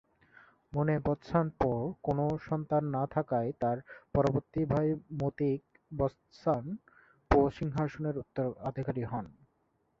মু-নে-ব্ত্সান-পোর কোন সন্তান না থাকায় তার পরবর্তী ভাই মু-তিগ-ব্ত্সান-পো সিংহাসনের উত্তরাধিকারী হন।